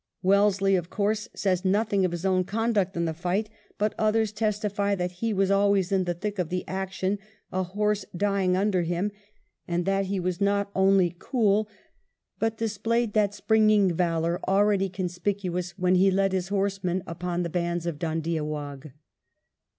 Wellesley, of course, says nothing of his own conduct in the fight, but others testify that he was always in the thick of the action, a horse dying under him ; and that he was not only cool, 78 WELLINGTON but displayed that springing valour already conspicuous when he led his horsemen upon the bands of Dhoondiah Waugh.